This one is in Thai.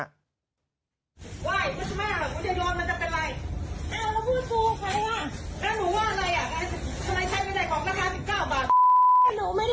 แล้วป้าพูดเธอกับหนูทำไมเนี่ย